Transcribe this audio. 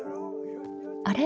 あれ？